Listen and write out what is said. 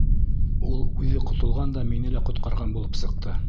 Ул үҙе ҡотолған да мине лә ҡотҡарған булып сыҡты.